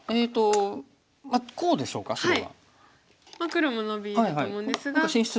黒もノビると思うんですが。